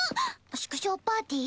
祝勝パーティー？